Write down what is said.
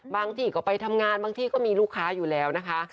ที่ก็ไปทำงานบางที่ก็มีลูกค้าอยู่แล้วนะคะ